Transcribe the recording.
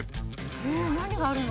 えっ何があるの？